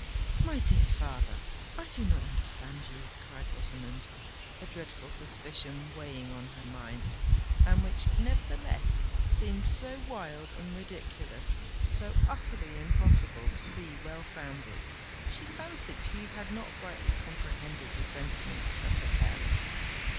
"My dear father—I do not understand you!" cried Rosamond, a dreadful suspicion weighing on her mind; and which, nevertheless, seemed so wild and ridiculous—so utterly impossible to be well founded, that she fancied she had not rightly comprehended the sentiments of her parent.